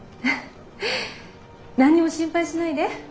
何にも心配しないで。